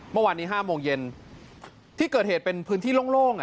เมื่อวานนี้๕โมงเย็นที่เกิดเหตุเป็นพื้นที่โล่ง